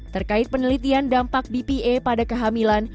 terkait penelitian dampak bpa pada kehamilan